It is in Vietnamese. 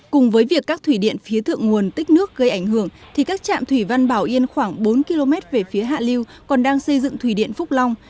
cùng với việc các thủy điện phía thượng nguồn tích nước gây ảnh hưởng thì các trạm thủy văn bảo yên khoảng bốn km về phía hạ liêu còn đang xây dựng thủy điện phúc long